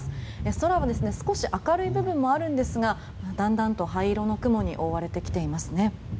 空は少し明るい部分もあるんですがだんだんと灰色の雲に覆われてきていますね。